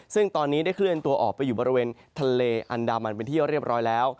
ซึ่งตอนนี้ได้เคลื่อนตัวออกไปอยู่บริเวณทะเลอันดามันเป็นที่เรียบร้อยแล้ว